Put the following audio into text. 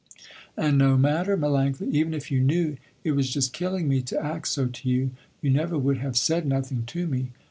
"And no matter Melanctha, even if you knew, it was just killing me to act so to you, you never would have said nothing to me?"